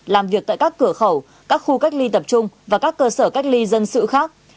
làm việc tại các cửa khẩu các khu cách ly tập trung và các cơ sở cách ly dân sự khác